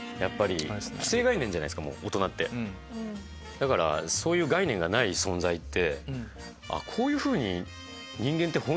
だからそういう概念がない存在って。